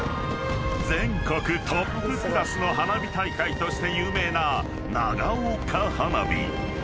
［全国トップクラスの花火大会として有名な長岡花火］